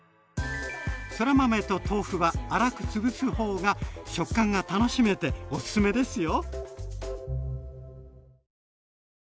そら豆と豆腐は粗く潰すほうが食感が楽しめておすすめですよ！